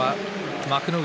幕内